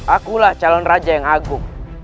akulah calon raja yang agung